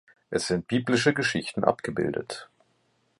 Es sind biblische Geschichten abgebildet.